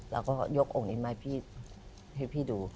เราก็ยกองค์นี้มาให้พี่ดู